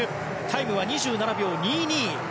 タイムは２７秒２２。